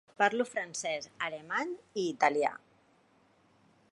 Parlo francès, alemany i italià.